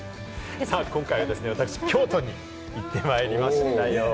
今回はですね、私、京都に行ってまいりましたよ。